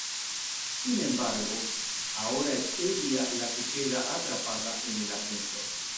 Sin embargo, ahora es ella la que queda atrapada en el ascensor.